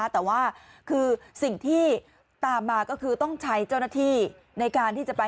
แต่ว่าคือสิ่งที่ตามมาก็คือต้องใช้เจ้าหน้าที่ในการที่จะไป